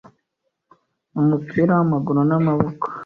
mu mupira w’amaguru namaboko